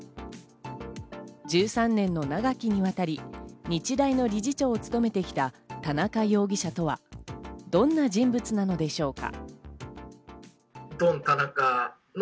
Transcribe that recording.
１３年の長きにわたり、日大の理事長を務めてきた田中容疑者とはどんな人物なのでしょうか？